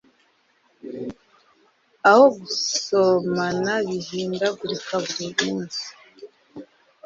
Aho gusomana bihindagurika buri munsi